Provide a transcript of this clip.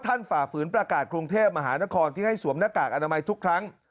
ฝ่าฝืนประกาศกรุงเทพมหานครที่ให้สวมหน้ากากอนามัยทุกครั้ง